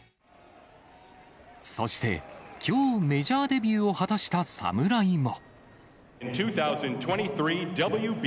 そして、きょう、メジャーデビューを果たした侍も。